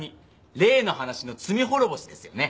例の話の罪滅ぼしですよね。